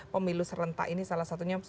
pemilu serentak ini salah satunya